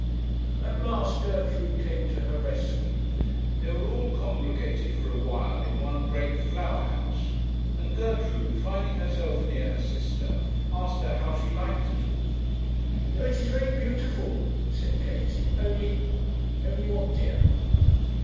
At last Gertrude came to her rescue. They were all congregated for a while in one great flower house, and Gertrude, finding herself near her sister, asked her how she liked it all. 'Oh! it is very beautiful,' said Katie, 'only ' 'Only what, dear?'